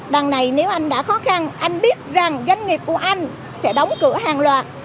đằng này nếu anh đã khó khăn anh biết rằng doanh nghiệp của anh sẽ đóng cửa hàng loạt